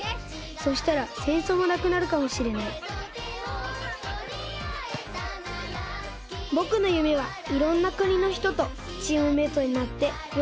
そしたらせんそうもなくなるかもしれないぼくのゆめはいろんなくにのひととチームメートになってよ